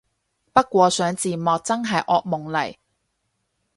不過上字幕真係惡夢嚟